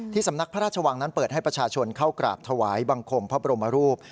สำนักพระราชวังนั้นเปิดให้ประชาชนเข้ากราบถวายบังคมพระบรมรูป